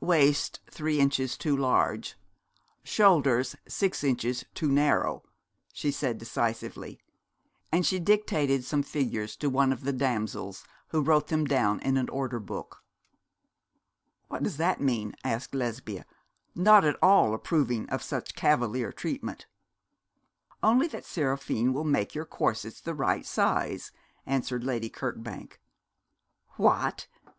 'Waist three inches too large, shoulders six inches too narrow,' she said decisively, and she dictated some figures to one of the damsels, who wrote them down in an order book. 'What does that mean?' asked Lesbia, not at all approving of such cavalier treatment. 'Only that Seraphine will make your corsets the right size,' answered Lady Kirkbank. 'What?